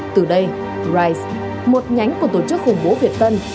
từ đây brise một nhánh của tổ chức khủng bố việt tân